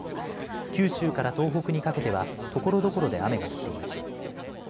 九州から東北にかけてはところどころで雨が降っています。